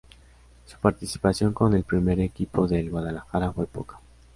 Su participación con el primer equipo del Guadalajara fue poca.